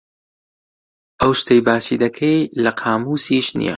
ئەو شتەی باسی دەکەی لە قامووسیش نییە.